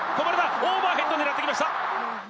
オーバーヘッドを狙ってきました。